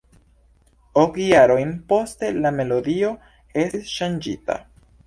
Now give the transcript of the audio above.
Ok jarojn poste la melodio estis ŝanĝita.